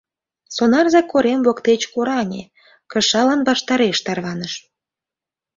Сонарзе корем воктеч кораҥе, кышалан ваштареш тарваныш.